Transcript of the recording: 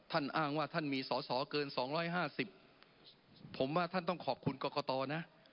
ท่านอ้างว่าท่านมีสอสอเกินสองร้อยห้าสิบผมว่าท่านต้องขอบคุณกอกกตอนะ